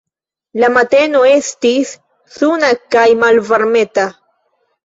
La mateno estis suna kaj malvarmeta.